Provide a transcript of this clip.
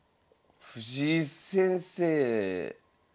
藤井先生え